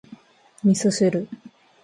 味噌汁